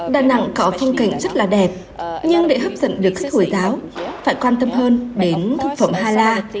đà nẵng có phong cảnh rất là đẹp nhưng để hấp dẫn được khách hồi giáo phải quan tâm hơn đến thực phẩm hà la